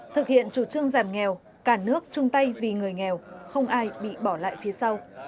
thực hiện chủ trương giảm nghèo cả nước chung tay vì người nghèo không ai bị bỏ lại phía sau